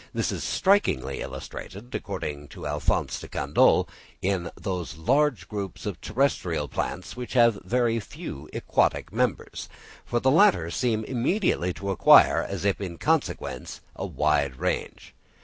This is strikingly illustrated, according to Alph. de Candolle, in those large groups of terrestrial plants, which have very few aquatic members; for the latter seem immediately to acquire, as if in consequence, a wide range.